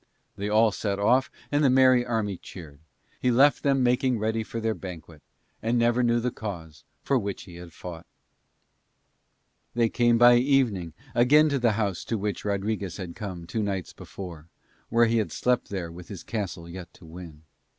They all set off and the merry army cheered. He left them making ready for their banquet, and never knew the cause for which he had fought. They came by evening again to the house to which Rodriguez had come two nights before, when he had slept there with his castle yet to win.